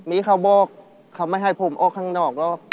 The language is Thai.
มีเขาบอกเขาไม่ให้ผมออกข้างนอกแล้ว